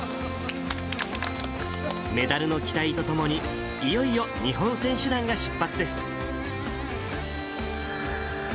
メダルの期待とともに、いよいよ日本選手団が出発です。